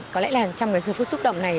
có lẽ là trong cái giây phút xúc động này